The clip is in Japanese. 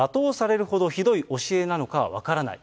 罵倒されるほどひどい教えなのかは分からない。